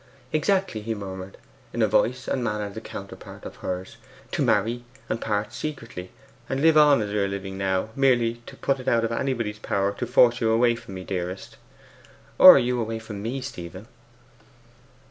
'Exactly,' he murmured in a voice and manner the counterpart of hers. 'To marry and part secretly, and live on as we are living now; merely to put it out of anybody's power to force you away from me, dearest.' 'Or you away from me, Stephen.